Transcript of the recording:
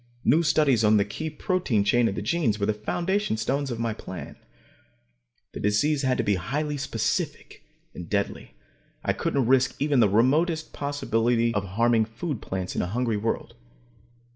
New studies on the key protein chains of the genes were the foundation stones of my plan. The disease had to be highly specific and deadly. I couldn't risk even the remotest possibility of harming food plants in a hungry world.